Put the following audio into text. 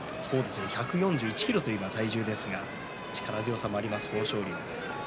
１４１ｋｇという体重ですが力強い相撲を取る豊昇龍。